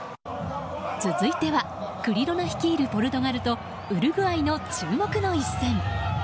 続いてはクリロナ率いるポルトガルとウルグアイの注目の一戦。